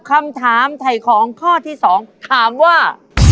คำถามไถ่ของข้อที่๒ถามว่า